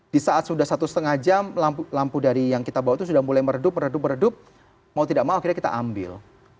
di saat sudah satu setengah jam lampu dari yang kita bawa itu sudah mulai meredup redup meredup mau tidak mau akhirnya kita ambil